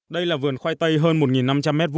đây là vườn khoai tây hơn một năm trăm linh m hai